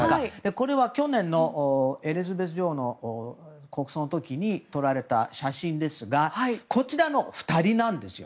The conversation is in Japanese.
これは、去年のエリザベス女王の国葬の時に撮られた写真ですがこちらの２人なんですよ。